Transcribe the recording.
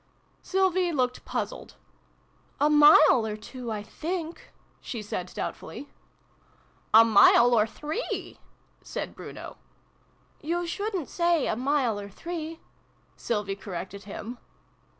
Sylvie looked puzzled. " A mile or two, I think" she said doubtfully. " A mile or three" said Bruno. " You shouldn't say ' a mile or three] " Sylvie corrected him.